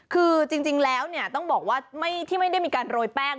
คือจริงแล้วต้องบอกว่าที่ไม่ได้มีการโรยแป้ง